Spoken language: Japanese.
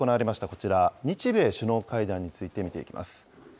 こちら日米首脳会談について見ていきます。